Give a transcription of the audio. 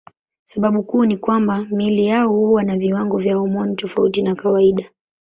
Sababu kuu ni kwamba miili yao huwa na viwango vya homoni tofauti na kawaida.